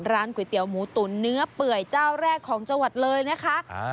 ก๋วยเตี๋ยวหมูตุ๋นเนื้อเปื่อยเจ้าแรกของจังหวัดเลยนะคะ